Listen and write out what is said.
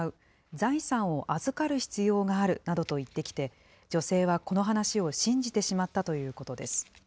財産を預かる必要があるなどと言ってきて、女性はこの話を信じてしまったということです。